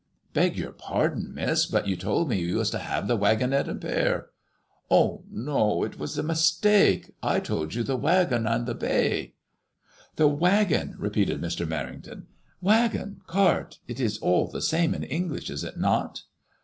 *'" Beg your pardin', Miss, but you told me you was to 'ave the waggonette and pair.*' '*Ahl no. It is a mistake. I told you the waggon and the bay." " The waggon !" repeated Mr. Merrington. ''Waggon, cart, it is all the same in English, is it not